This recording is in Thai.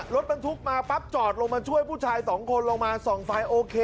รถบรรทุกมาปั๊บจอดลงมาช่วยผู้ชายสองคนลงมาส่องไฟโอเค